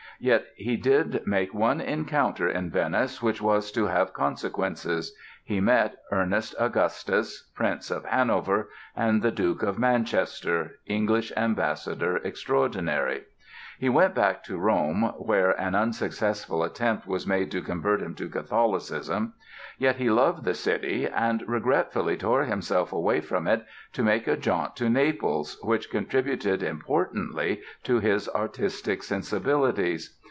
Yet he did make one encounter in Venice which was to have consequences—he met Ernest Augustus, Prince of Hanover, and the Duke of Manchester, English Ambassador Extraordinary. He went back to Rome (where an unsuccessful attempt was made to convert him to Catholicism); yet he loved the city and regretfully tore himself away from it to make a jaunt to Naples, which contributed importantly to his artistic sensibilities.